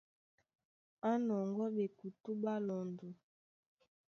Á nɔŋgɔ́ ɓekutú ɓá lɔndɔ.